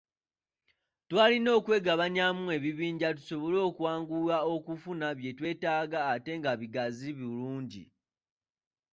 Twalina okwegabanyaamu ebibinja tusobole okwanguya okufuna bye twetaaga ate nga bigazi bulungi.